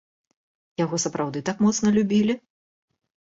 Яго сапраўды так моцна любілі?